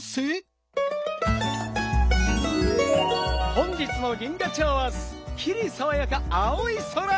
本日も銀河町はすっきりさわやか青い空！